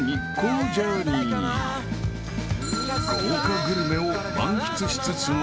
［豪華グルメを満喫しつつも］